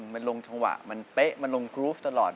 มันลงจังหวะมันเป๊ะมันลงกรูฟตลอด